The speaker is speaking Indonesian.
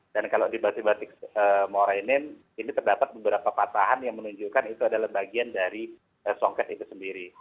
dan kalau di batik batik morenin ini terdapat beberapa patahan yang menunjukkan itu adalah bagian dari songket itu sendiri